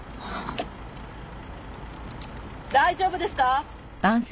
大丈夫ですか？